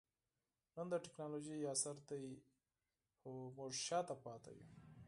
نن د ټکنالوجۍ عصر دئ؛ خو موږ شاته پاته يو.